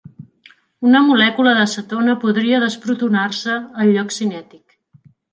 Una molècula de cetona podria desprotonar-se al lloc "cinètic".